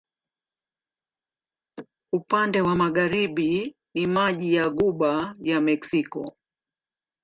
Upande wa magharibi ni maji wa Ghuba ya Meksiko.